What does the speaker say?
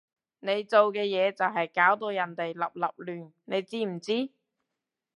你做嘅嘢就係搞到人哋立立亂，你知唔知？